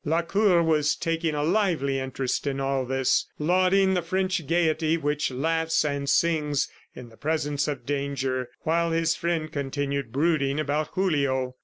... Lacour was taking a lively interest in all this, lauding the French gaiety which laughs and sings in the presence of danger, while his friend continued brooding about Julio.